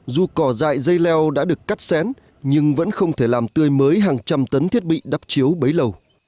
dù cỏ dại dây leo đã được cắt xén nhưng vẫn không thể làm tươi mới hàng trăm tấn thiết bị đắp chiếu bấy lâu